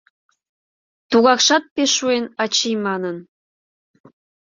Тугакшат пеш шуэн «ачий» манын.